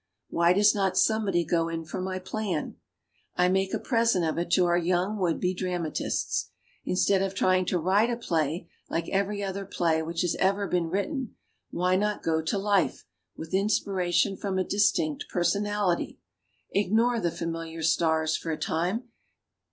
Why does not somebody go in for my plan? I make a present of it to our young would be dramatists. Instead of trying to write a play like every other play which has ever been written, why not go to life, with inspiration from a distinct per sonality? Ignore the familiar stars for a time.